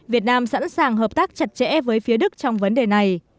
việt nam sẵn sàng hợp tác chặt chẽ với phía đức trong vấn đề này